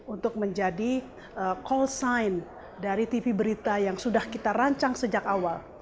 untuk menjadi call sign dari tv berita yang sudah kita rancang sejak awal